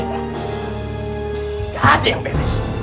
gajah yang bebes